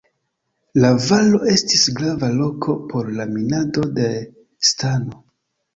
La valo estis grava loko por la minado de stano.